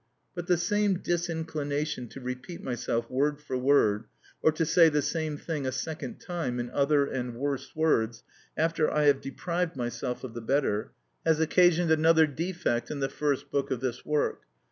But the same disinclination to repeat myself word for word, or to say the same thing a second time in other and worse words, after I have deprived myself of the better, has occasioned another defect in the first book of this work.